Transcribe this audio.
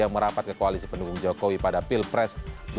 yang merapat ke koalisi pendukung jokowi pada pilpres dua ribu sembilan belas